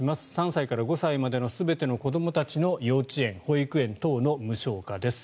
３歳から５歳までの全ての子どもたちの幼稚園・保育園等の無償化です。